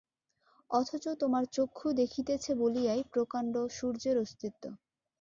অথচ তোমার চক্ষু দেখিতেছে বলিয়াই প্রকাণ্ড সূর্যের অস্তিত্ব।